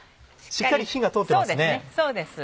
しっかり火が通ってますね。